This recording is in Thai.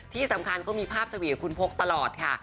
ที่สำคัญเขามีภาพสวีกับคุณพกตลอดค่ะ